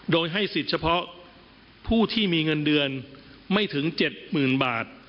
โดยให้สิทธิ์เฉพาะผู้ที่มีเงินเดือนไม่ถึง๗๐๐๐บาท